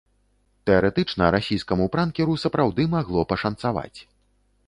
Тэарэтычна расійскаму пранкеру сапраўды магло пашанцаваць.